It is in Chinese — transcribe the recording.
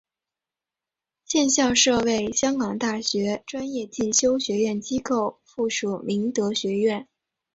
现校舍为香港大学专业进修学院机构附属明德学院。